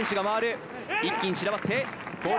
一気に散らばって。